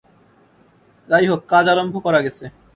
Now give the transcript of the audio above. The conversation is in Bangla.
যাই হোক, কাজ আরম্ভ করা গেছে।